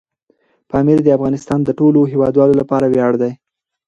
پامیر د افغانستان د ټولو هیوادوالو لپاره ویاړ دی.